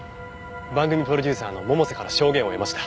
番組プロデューサーの百瀬から証言を得ました。